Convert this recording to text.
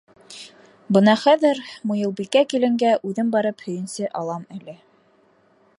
Бына хәҙер Муйылбикә киленгә үҙем барып һөйөнсө алам әле.